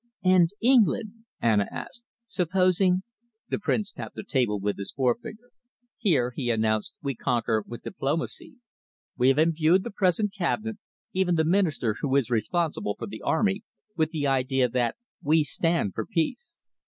"And England?" Anna asked. "Supposing?" The Prince tapped the table with his forefinger. "Here," he announced, "we conquer with diplomacy. We have imbued the present Cabinet, even the Minister who is responsible for the army, with the idea that we stand for peace.